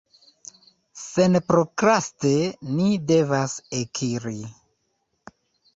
Senprokraste ni devas ekiri.